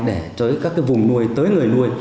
để tới các cái vùng nuôi tới người nuôi